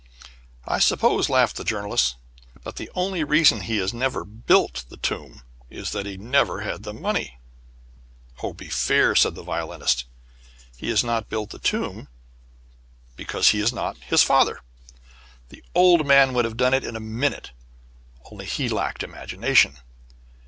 "I suppose," laughed the Journalist, "that the only reason he has never built the tomb is that he has never had the money." "Oh, be fair!" said the Violinist. "He has not built the tomb because he is not his father. The old man would have done it in a minute, only he lacked imagination.